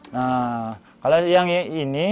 nah kalau yang ini